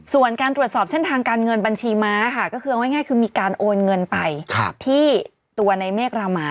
ส่วนการตรวจสอบเส้นทางการเงินบัญชีม้าค่ะก็คือเอาง่ายคือมีการโอนเงินไปที่ตัวในเมฆรามา